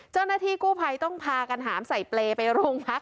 เจ้าหน้าที่กู้ภัยต้องพากันหามใส่เปรย์ไปโรงพัก